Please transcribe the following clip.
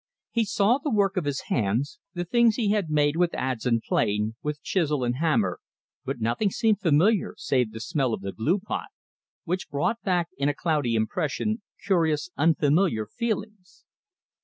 He saw the work of his hands, the things he had made with adze and plane, with chisel and hammer, but nothing seemed familiar save the smell of the glue pot, which brought back in a cloudy impression curious unfamiliar feelings.